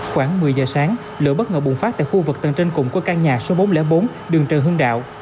khoảng một mươi giờ sáng lửa bất ngờ bùng phát tại khu vực tầng trên cùng của căn nhà số bốn trăm linh bốn đường trần hưng đạo